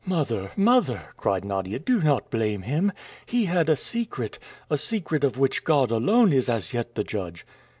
"Mother, mother," cried Nadia, "do not blame him! He had a secret. A secret of which God alone is as yet the judge!"